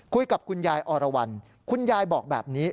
คุยกับคุณยายอรวรรณคุณยายบอกแบบนี้